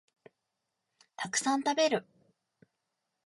たくさん食べる